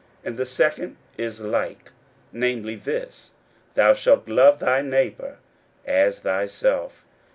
41:012:031 And the second is like, namely this, Thou shalt love thy neighbour as thyself.